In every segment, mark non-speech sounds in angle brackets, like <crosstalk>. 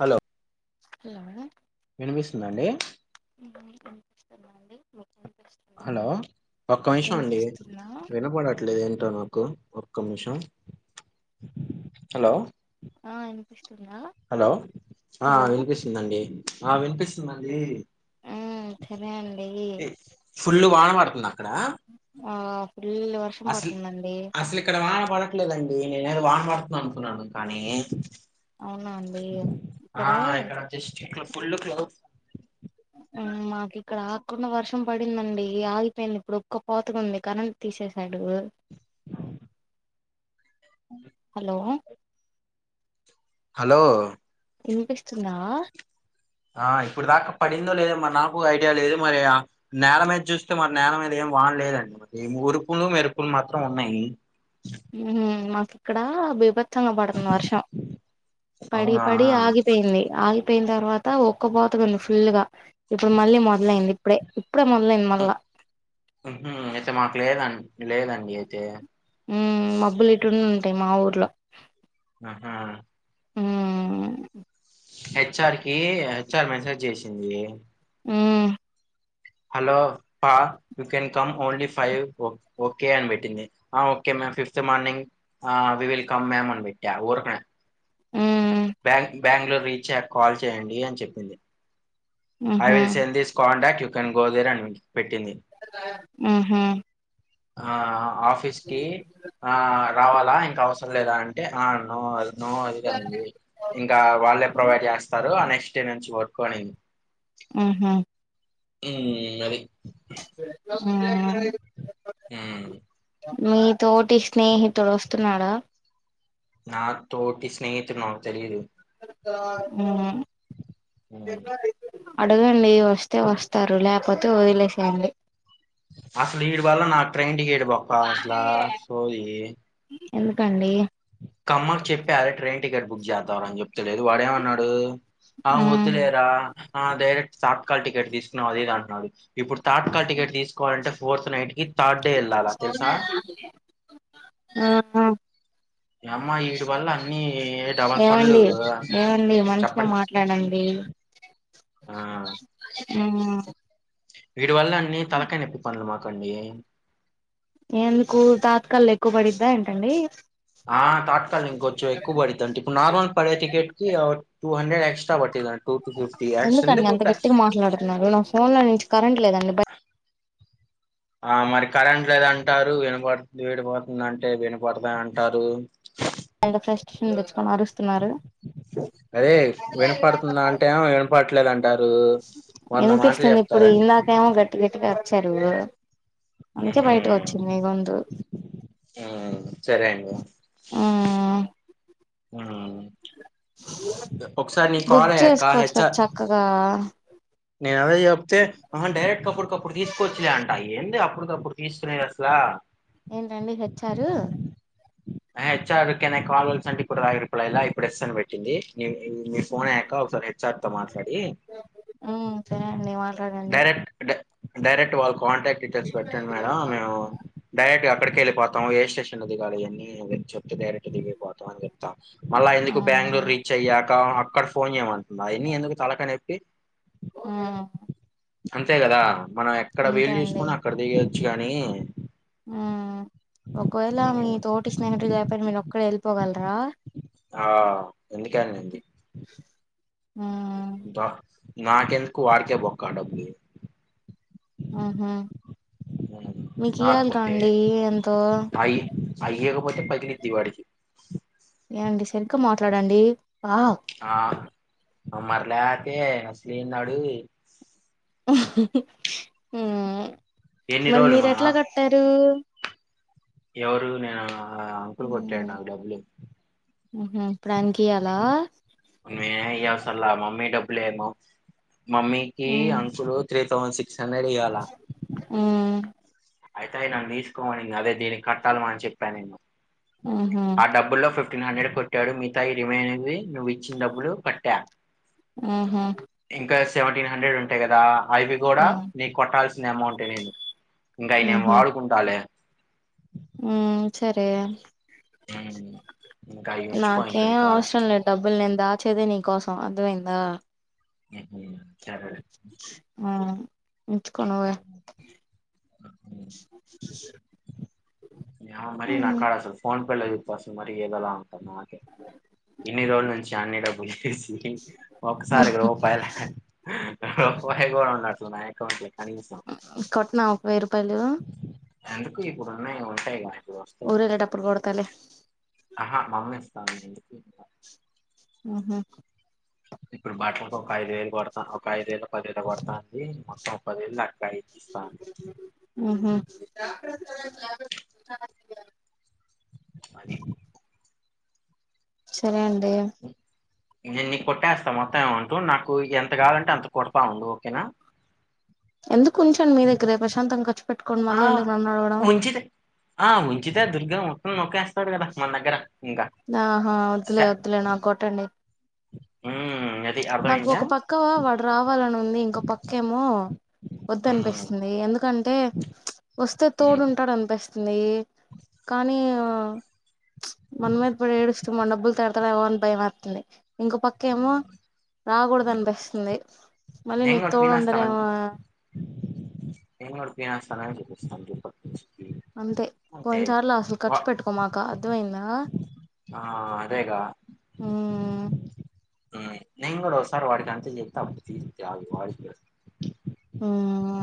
Hello ఏమన వినిపిస్తుందండి చెప్పండి హలో ఒక్క నిమిషం అండి వినిపిస్తుందా వినపడట్లేదు ఏంటో నాకు ఒక్క నిమిషం హలో ఆ యినిపి హలో ఆ వినిపిస్తుందండి ఆ వినిపిస్తుందండి ఆ సరే అండీ ఫుల్ల్ వాన పడతా అక్కడ ఆ ఫుల్ వర్షం అసలు పడుతుందండి. అసలు ఇక్కడ వాన పడట్లేదండి నేనేదో వాన పడుతుంది అనుకున్నాను కానీ అవునా అండి అక్కడ, పళ్ళు క్లౌ ఊ మాకు ఇక్కడ ఆక్కుండా వర్షం పడిందండి ఆగిపోయింది ఇప్పుడు ఉక్కపోతగా ఉంది కరెంట్ తీసేసాడు. హలో! హలో. ఇనిపిస్తుందా. ఆ ఇప్పుడు దాకా పడిందో లేదో మరి నాకు ఐడియా లేదు మరి నేల మీద చూస్తే మరి నేల మీద ఏం వానలేదండి మరి ఉరుములు మెరుపులు మాత్రం ఉన్నాయి. మ్ మాకు ఇక్కడ బీభ త్సంగా పడతంది వర్షం పడి అవునా పడి ఆగిపోయింది ఆగి పోయిన తర్వాత ఉక్కపోతగా ఉంది ఫుల్ గా ఇప్పుడు మళ్ళీ మొదలైంది ఇప్పుడే ఇప్పుడే మొదలైంది మళ్ళా అయితే మాకు లేద లేదండి అయితే.. మ్ మబ్బులు ఇటుండి ఉంటాయి. మా ఊర్లో, ఉహు ఊ ఊ హెచ్ ఆర్ కే హెచ్ ఆర్ మెసజ్ చేసింది. ఊ. హలో పా you can come only five ఓ ఓకే అని పెట్టింది okay ma'am fifth morning we will come ma'am అని పెట్టా ఊరకనే. మ్మ్ బ్యాంగ్లూరు రీచ్ అయ్యాకా కాల్ చేయండి అని చెప్పింది. ఐ మ్హూ will send this contact you. You can go there అని పెట్టింది. ఊహు. ఆఆ ఆఫీస్ కి ఆఆ. రావాలా ఇంకా అవసరం లేదా అంటే ఆ అన్నావ్ ఆ నో అంది అంది. ఇంకా వాళ్ళే ప్రొవైడ్ చేస్తారు ఆ నెక్స్ట్ డే నుంచి వో.. కొనీ. ఊహు. ఊ ఊ అది. హు హు ఊ. మీ. తోటి స్నేహితుడు వోస్తున్నాడా. నా తోటి స్నేహితుడు నాకు తెలిదు. కరెక్ట్ కదా ఉమ్ హ్మ్ లెఫ్ట్ రైట్ అడగండి వస్తే వస్తారు లేకపోతే వదిలేసేయండి అసలు ఈడ్ వల్ల నా ట్రైన్ టికెట్ బొక్క అసల సొ సోయే ఎందుకండి ఇంకమ్మకి చెప్పా అదే ట్రైన్ టికెట్ బుక్ చేద్దాం రా అని చెప్ ఇంచలేదు వాడేమన్నాడు అ మ్మ్ వద్దులేరా ఆ డైరెక్ట్ సాక్ కాల్ టికెట్ తీసుకున్నా అది ఇది అంటున్నారు. ఇప్పుడు థర్డ్ కాల్ టికెట్ తీసుకోవాలంటే ఫోర్త్ నైట్ కి సోల్జర్ నాకైతే హు హు నీయమ్మ వీడ్ వల్ల అన్ని డబల్ పనులు ఏవండి ఏవండి మంచిగా చెప్పండి మాట్లాడండి ఆఆ మ్మ్ వీడి వల్ల అన్ని తలకాయ్ నొప్పి పనులు మాకండి ఎందుకు తాత్కాల ఎక్కువ పడిద్దా ఏంటండి ఆ తాత్కాలి ఇంకొంచెం ఎక్కువ పడుద్దండి ఇప్పుడు నార్మల్ పడే టికెట్ కి టూ హండ్రె ఎస్ట్రా పట్టిల్లన్ ఎందుకండీ అంత గట్టిగా మాట్లాడుతున్నారు ఫోన్ లో నుంచి కరెంట్ లేదండి బై ఆ మరి కరెంట్ లేదంటారు వినపడుతుంది విడిపోతుంది అంటే వినపడతా అంటారు అండ్ ఫ్రెష్టేషన్ అదే వినపడుతుందా అంటే ఆ వినపడట్లేదంటే వినిపిస్తుంది ఇప్పుడు ఇందాకేమో గట్టి గట్టిగా జరుగువు అందుకే బయట వచ్చింది గొంతు ఉమ్ సరే అండి మ్మ్ ఆ బుక్ చేసుకోవచ్చు కదా హెచ్ఆర్ చక్కగా నేను ఏదో చెప్తే ఆహా డైరెక్ట్ కపూర్ అప్పటికప్పుడు తీసుకొచ్చలే అంట ఏంది అప్పు అప్పటికప్పుడు తీసుకునేది ఎట్లా ఏంటండి హెచ్చారు హెచ్చ క కాల్ కల్స అంట కూడా రాగి పలా ఇలా ఇప్పుడు ఎస్ అని పెట్టింది మీ ఫోన్ అయ్యాక ఒకసారి సార్ తో మాట్లాడి మ్మ్ సరే అండి మాట్లాడండి డైరెక్ట్ డై డైరెక్ట్ ఓకు కాంట్రాక్ట్ డీటెయిల్స్ పెట్టండి మేడం మేము డైరెక్ట్ గా అక్కడికి వెళ్లి పోతాం ఏ స్టేషన్ స్టేషన్లో దిగాలని ఇగ వంచం డైరెక్ట్ దిగిపోతాంది మళ్ళా ఎందుకు మ్మ్ బెంగళూరు రీచ్ అయ్యాకా కట్ ఫోన్ చెయ్యమను మాయన్నీ ఎందుకు తలకాయ నెప్పి మ్మ్ అంతే కదా మనం ఎక్కడ అంతే వీలు చూసుకుని అక్కడ దిగేదు కానీ ఉమ్ ఒకవేళ మీ తోటి స్నేహితుల్లేకపోయినా మీరు ఒక్కడ వెళ్ళిపోగలరా ఆ ఎందుకేనింది ఉమ్ దా నాకెందుకు వాడికే బొక్క డబ్బులు ఉహు మీకు ఇయ్యాలి రాకపోతే కాండి ఎంతో అయి అయ్యకపోతే పగిలిద్ది వాడికి ఏవండి సరిగ్గా మాట్లాడండీ ఆ మరలేతే అసలేంధాడు అహ్హహు ఉమ్ ఎన్ని మరి రోజులు మీరు మా ఎట్లా కట్టారు ఎవరు నేనా హ్మ్ హ్మ్ హు ఇప్పుడు ఆయనకియ్యాలా తల్ల మమ్మీ డబ్బులేమో మమ్మీకి మ్మ్ అంకులు త్రే తవన్సీ సన్నడియ్యాల మ్మ్ అయితే అయి నన్ను తీసుకోమనింది అదే దీన్ని కట్టాలమ్మా అని చెప్పాను నేను ఊహూ ఆ డబ్బుల్లో ఫిఫ్ ఫ్టీన్ హండ్రెడ్ కొట్టాడు మిగతాయి రిమైనవి నువ్వు ఇచ్చిన డబ్బులు కట్టా హ్మ్ హు సెవెంటీన్ హండ్రెడ్ ఉంటయి ఆ అవి కూడా నీకు కొట్టాల్సిన అమౌంటే నేను ఇంకా అయి నేను వాడుకుంటాలే హ్మ్ సరే హ్మ్. ఇంక అయి ఉంచుకో ఇంక నీ నాకేం కాడ. అవసరం లేదు డబ్బులు నేను దాచేదే నీకోసం అర్దమైందా హ్మ్ హు హ్మ్ ఉంచుకో నువ్వే హుహు. న మరి నా మ్మ్ కాడ అస ఫోన్ పల్ పర్స్ మరి ఎదోలా నాకే ఇన్ని రోజు ను క్యాన్నే డబ్బులు తీస్ ఒకసారి రూపాయి రూపాయి కూడా ఉండ తున్నాయ్ కనీసం వెరుప్ పలు ఎందుకు ఇప్పుడున్నాయి ఉంటాయిగా ఊరేగే డప్పులు కొడతాలే ఆహా మమ్మీస్తాంది అని చెప్పి ఇంగ హ్మ్ హు ఇప్పుడు బట్లకు ఒక ఐదు వేలు కొడా ఒక ఐదు వేలు పది వేలు కొడతాంది పప దిన్నా మ్మ్హూ అగే సరే అం డేం నేను నీకు కొట్టేస్తా మొత్తం ఏమంటూ నాకు ఎంత కావాలంటే అంత కొడతా ఉండు ఓకేనా ఎందుక్ కుంచండి మీ దగ్గరే ప్రశాంతంగా ఖర్చు పెట్టుకోండి ఆ మళ్ళీ ఎందుకు నన్నడగడం ను నోక్కేస్ ఆహా వద్దులే వద్దులే నాకోట్టండి మ్మ్ నాకు ఒక పక్కవా వాడు రావాలని ఉంది ఇంకో పక్కేమో ఉమ్ వద్దనిపిస్తుంది ఎందుకంటే వస్తే ఉమ్ తోడుంటాడు అనిపిస్ ది కానీ మన మీద పడు ఏడుస్తు మన డబ్బులు తెడతాడేమో అని భయమేత్తుంది ఇంకో పక్కేమో రాకూడదు ఉమ్ అనిపిస్తుంది మళ్ళీ నేను నీకు కూడా తోడు ఉండరేమో పీనేస్తానని నేను గూడా తినేస్తానని <unintelligible> అంతే పోయినసార్లు అసలు ఖర్చు వా- పెట్టుకోమాక అర్ధమయిందా ఆ అదేగా మ్మ్ మ్మ్ నేనే గూడా ఒకసారి వాడికంతే చేప్తా అప్పుడు తీరిద్ది ఆగు వా మ్మ్హ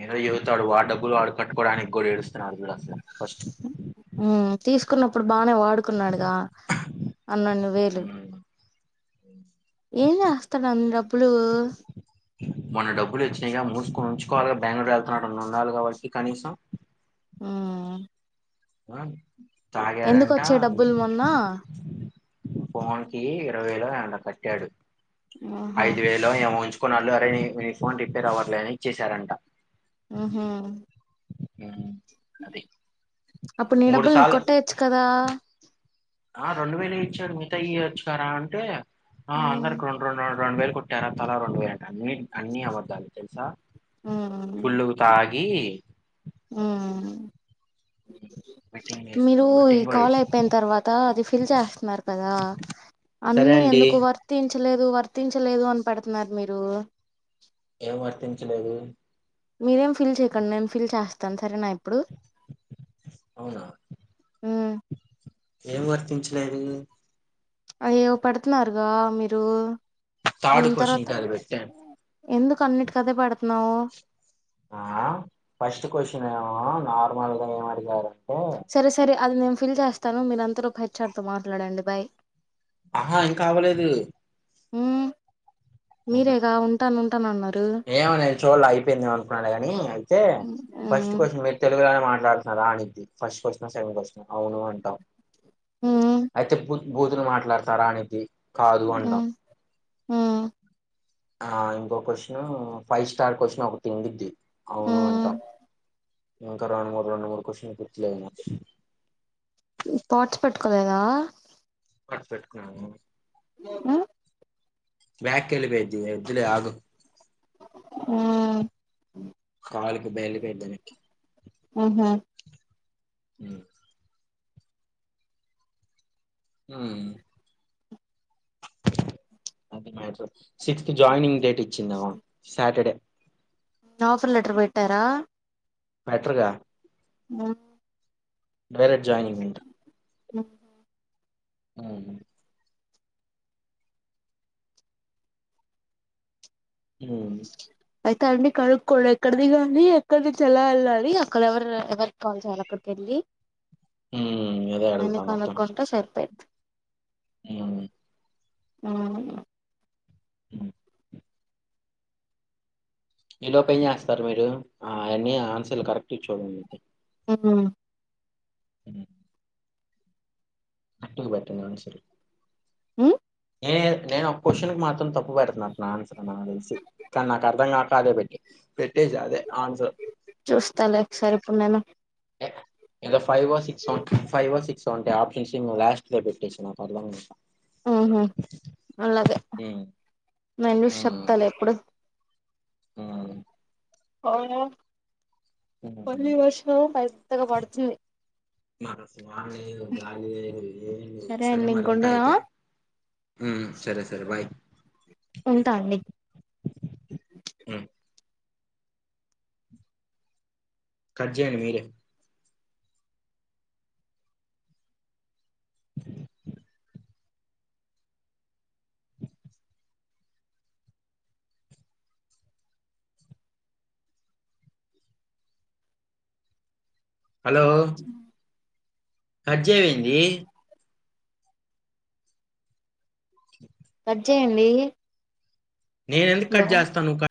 ఏ ఇవతాడు వాడి డబ్బులు ఆడు కట్టుకోడాని గోడు ఏడుస్తున్నాడు చూడసలు ఫస్ట్ కున్నప్పుడు బానే వా డుకున్నాడుగా అన్నన్ని వేలు ప్చ్ ఏం చాస్తాడన్ని డబ్బులు క్కోడే బెంగ్ళూరు వెళ్తున్నడని ఉండాలిగా వాడికి కనీసం మ్మ్ వన్ ఎందుకోచ్చాయ్ డబ్బులు మొన్న ఫోన్ కి ఇరవైవేలో ఏన్నో కట్టాడు ఆహా ఐదు వేలో ఏమో ఉంచుకున్నాళ్ళు అరే రే మీ ఫోన్ రిపేర్ అవ్వట్లే అని ఇచ్చేసారంట హ అప్పుడ్ నీ డబ్బుల్ నీక్ సార్లు కొట్టేయచ్ కదా ఆ రెండు వేలే ఇచ్చారు త ఈయొచ్చు కారా అంటే ఆ ఉమ్ అందరిక్ రొండ్రెండన్ రెండ్ వేల్ కుట్టారా తలా రెండు వేలట అన్నీ అన్ని అవద్దాలే తెలుసా మ్మ్ ఈ మ్మ్ బెట్టింగ్ మీరు ఈ బెట్టింగ్ కూడా కాల్ వేసి ఐపోయిన్ తర్వాత అది ఫిల్ చేస్తన్నారు కదా సరే అన్ని అండి ఎందుకు వర్తించ్ లేదు వర్తించలేదు అని పెడతన్నారు మీరు ఏం వర్తించలేదు మీరేం ఫిల్ చేయ్యకండి నేను ఫిల్ చేస్తాను సరే నా ఇప్ అవునా ఉమ్ ఏం వర్తించలేదు అయ్యో పడుతున్నారుగా మీరు థార్డ్ దీని కొశ్చన్ తర్వాత కది పెట్టాను ఎందుకు అన్నిటి కదే పెడతన్నావు ఆ ఫస్ట్ క్వశ్చనేమో నార్మల్గా ఏం అడిగారన్ సరే సరే అది నేను ఫిల్ చేస్తాను మీరంతలోపు హెచ్ ఆర్ తో మాట్లాడండి బాయ్ అహా ఇంకా అవలేదు మ్మ్ మీరేగా ఉంటానున్ టనున్నర్ ఏమో నేన్ చూడ్లే అయిపోయిందేమో అనుకున్నాలే గాని అయితే ఫస్ట్ మ్మ్ క్వశ్చన్ మీరు తెలుగులోనే మాట్ లాడుతున్నారు ఆనిద్ది ఫస్ట్ క్వశ్న సెకండ్ క్వశ్ననా అవును అంటాం మ్మ్ ఐతే పూర్త్ భూతులు మాట్లాడతారా అనిద్ధి కాదు అంటాం మ్మ్ మ్మ్ ఆ ఇంకొ కొస్ <unintelligible> ఫైవ్ స్టార్ కొసిన్ ఒకటున్డిద్ది అవును మ్మ్ అంటాం ఇంకా రొండుమూర్ రొండుమూడ్ కొసిన్కిట్లే ఏమో స్పాట్స్ పెట్టుకోలేదా పార్ట్స్ పెట్కున్నాను మ్మ్ బ్యాక్కెళ్ళిపోయిద్ది వొద్దులే ఆగు మ్మ్ కాలుకి బైలుపెడ్దును మ్మ్ హు హ్మ్ హ్మ్ అది మ్యాటరు సిక్స్త్ జాయినింగ్ డేట్ ఇచ్చిందామా సాటర్డే ఆఫర్ లెటర్ పెట్టారా పెట్టరుగా హ్మ్ డైరెక్ట్ జాయినింగ్ అంట హ్మ్ హ్మ్ హ్మ్ అయితే అండి కనుక్కోండి ఎక్కడ దిగాలి, ఎక్కడి నుంచి ఎలా వెళ్ళాలి అక్కడ ఎవరు ఎవరి కి కాల్ చేయాలి అక్కడికి వెళ్ళి హ్మ్ అదే అన్ని అడుగుతా మొత్తం కనుక్కుంటే సరిపోయిద్ది హ్మ్ హ్మ్ హ్మ్ ఈ లోపు ఏం చేస్తారు మీరు ఆ అవన్నీ ఆన్సర్లు కరెక్ట్ చూడండి అయితే హ్మ్ హ్మ్ రక్ట్ గా పెట్టండి ఆన్సరు హ్మ్ నే నేను ఒక క్వశ్చన్కి మాత్రం తప్పు పెడుతున్నట్టునా ఆన్సర్ నాకు తెలిసి కానీ నాకు అర్థం కాక అదే పెట్టి చూస్తా లే ఒకసారి ఇప్పుడు నేను ఏదో ఫైవో సిక్సో ఉం ఫైవో సిక్సో ఉంటాయి ఆప్షన్స్ ఇంక లాస్ట్ లో పెట్టెసి నా పర్లే ఊహూ అలాగే హ్మ్. నేను చూసి హ్మ్. చెప్తాలే ఎప్పుడు హ్మ్ <unintelligible> హ్మ్. పని వర్షం పెద్దగా పడుతుంది నాకసలు వాన లేదు గాలి లేదు ఏమీ లేదు సరే అండి మరి ఉంట ఇంకుంటనా అయితే హ్మ్ సరే సరే బాయ్ ఉంటా అండి హ్మ్. కట్ చేయండి మీరే అ హలో కట్జేయండి కట్ చేయండి నేను ఎందుకు కట్ హలో చేస్తా నువ్ క